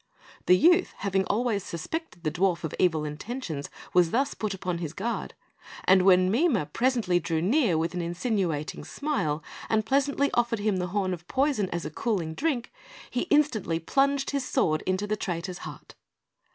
The youth, having always suspected the dwarf of evil intentions, was thus put upon his guard; and when Mime presently drew near with insinuating smile, and pleasantly offered him the horn of poison as a "cooling drink," he instantly plunged his sword into the traitor's heart.